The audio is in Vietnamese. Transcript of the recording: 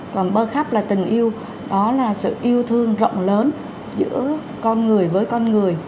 còn bơ khắp là tình yêu đó là sự yêu thương rộng lớn giữa con người với con người